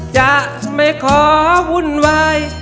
จะไม่ขอวุ่นวาย